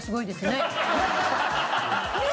ねえ。